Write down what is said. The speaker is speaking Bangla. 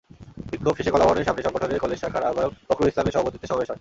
বিক্ষোভ শেষে কলাভবনের সামনে সংগঠনের কলেজ শাখার আহ্বায়ক ফখরুল ইসলামের সভাপতিত্বে সমাবেশ হয়।